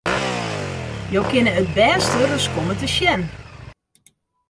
Jo kinne it bêste ris komme te sjen!